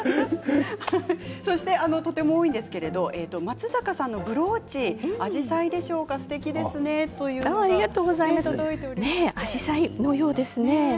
とてもいいんですけれど松坂さんのブローチアジサイでしょうかすてきですねとアジサイのようですね